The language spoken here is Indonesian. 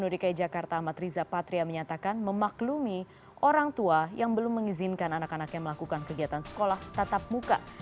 gubernur dki jakarta amat riza patria menyatakan memaklumi orang tua yang belum mengizinkan anak anaknya melakukan kegiatan sekolah tatap muka